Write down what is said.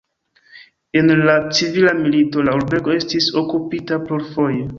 En la civila milito la urbego estis okupita plurfoje.